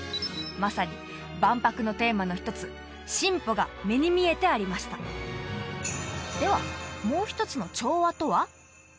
まさに万博のテーマの一つ「進歩」が目に見えてありましたではもう一つの「調和」とは？